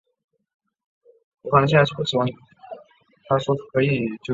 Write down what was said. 基舒纽姆。